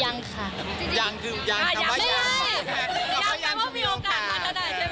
ยังคือยังแต่ว่ายังคือมีโอกาส